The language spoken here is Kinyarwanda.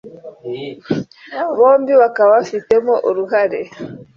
bombi bakaba bafitemo uruhare